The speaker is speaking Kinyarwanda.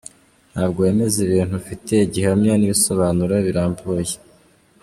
Ntabwo wemeza ibintu ufitiye gihamya n’ibisobanuro birambuye.